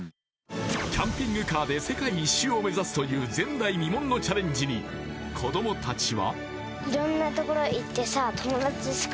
キャンピングカーで世界一周を目指すという前代未聞のチャレンジに子どもたちは？